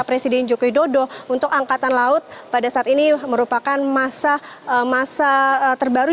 presiden joko widodo untuk angkatan laut pada saat ini merupakan masa terbaru